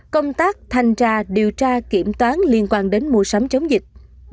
công tác thanh tra điều tra kiểm toán liên quan đến mua sắm chống dịch